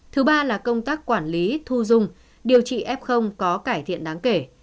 thứ ba là công tác quản lý thu dung điều trị f có cải thiện đáng kể